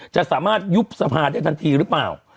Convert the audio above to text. จะสามารถยุบสภาได้ทันทีหรือเปล่า